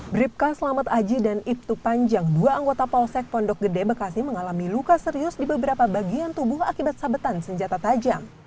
bribka selamat aji dan ibtu panjang dua anggota polsek pondok gede bekasi mengalami luka serius di beberapa bagian tubuh akibat sabetan senjata tajam